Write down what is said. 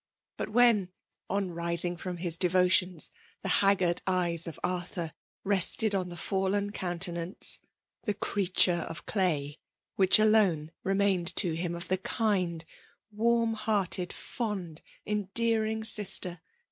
But vihen, on rising from fab.' devotionsj the haggard eyed of Aitlmr rested on' the fallen countenance^ — the creattirc "of clay *^ which alone remaiQed to him of the kind, warm hearted> fond« endearing sister, !